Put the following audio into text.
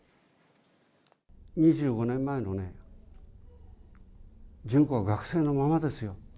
２５年前のね、順子が学生のままですよ。